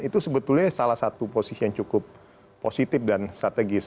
itu sebetulnya salah satu posisi yang cukup positif dan strategis